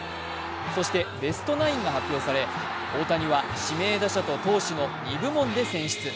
そしてベストナインが発表され大谷には指名打者と投手の２部門で選出。